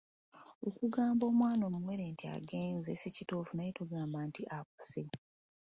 Okugamba omwana omuwere nti agezze si kituufu naye tugamba nti abuzze.